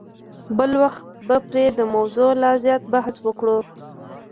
بل وخت به پر دې موضوع لا زیات بحث وکړو.